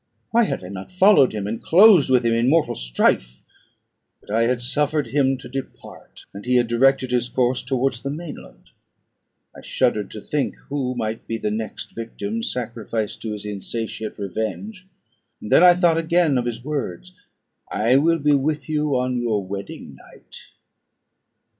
Why had I not followed him, and closed with him in mortal strife? But I had suffered him to depart, and he had directed his course towards the main land. I shuddered to think who might be the next victim sacrificed to his insatiate revenge. And then I thought again of his words "_I will be with you on your wedding night.